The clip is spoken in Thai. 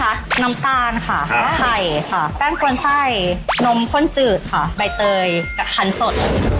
น้ำตาลค่ะไข่ค่ะแป้งกวนไส้นมข้นจืดค่ะใบเตยกับขันสด